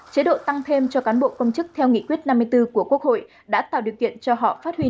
chế độ tăng thêm cho cán bộ công chức theo nghị quyết năm mươi bốn của quốc hội đã tạo điều kiện cho họ phát huy